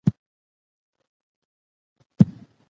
ملالۍ چې خپلوان یې په سینګران کې دي، یوه اتله وه.